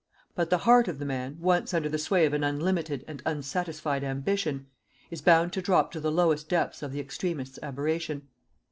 But the heart of man, once under the sway of an unlimited and unsatisfied ambition, is bound to drop to the lowest depths of the extremist's aberration.